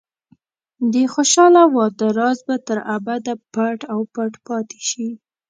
د خوشحاله واده راز به تر ابده پټ او پټ پاتې شي.